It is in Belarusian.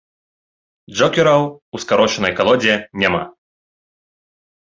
Джокераў ў скарочанай калодзе няма.